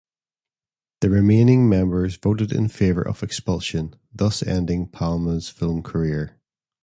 The remaining members voted in favor of expulsion, thus ending Palma's film career.